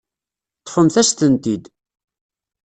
Ṭṭfemt-as-tent-id.